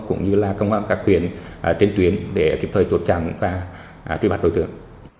cũng như là công an các quyền trên tuyến để cập thời trột chẳng và truy bắt đối tượng